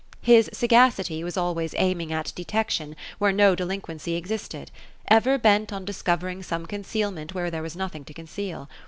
His sagacity was always aiming at detection, where no delinquency existed ; ever bent on discovering some concealment, where there was nothing to conceal.